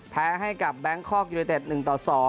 แพ้ให้กับแบงค์คอร์กยูนิเต็ต๑๒